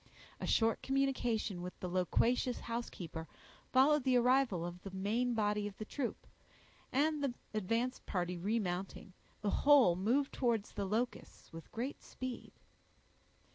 A short communication with the loquacious housekeeper followed the arrival of the main body of the troop, and the advance party remounting, the whole moved towards the Locusts with great speed.